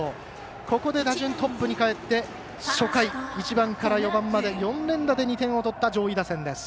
ここで打順トップにかえって初回、１番から４番まで４連打で２点を取った上位打線です。